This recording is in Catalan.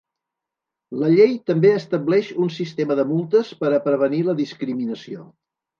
La llei també estableix un sistema de multes per a prevenir la discriminació.